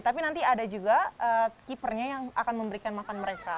tapi nanti ada juga keepernya yang akan memberikan makan mereka